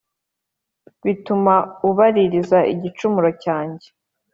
bituma ubaririza igicumuro cyanjye